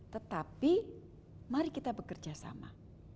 tetapi mari kita bekerjasama